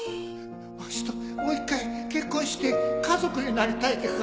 わしともう１回結婚して家族になりたいってか？